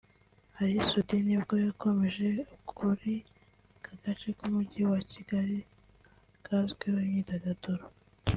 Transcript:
Ally Soudy ni bwo yakomoje kuri aka gace k’umujyi wa Kigali kazwiho imyidagaduro